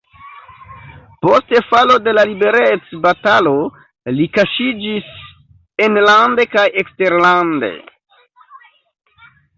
Post falo de la liberecbatalo li kaŝiĝis enlande kaj eksterlande.